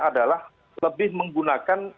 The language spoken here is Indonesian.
adalah lebih menggunakan